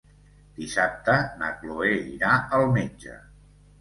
Dissabte na Cloè irà al metge.